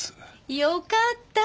よかった！